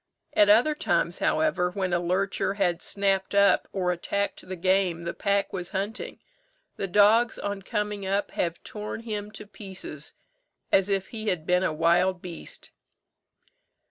At other times, however, when a lurcher had snapped up, or attacked the game the pack was hunting, the dogs on coming up have torn him to pieces, as if he had been a wild beast."